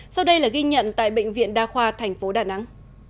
sau đây là ghi nhận tại bệnh viện đa khoa tp đà nẵng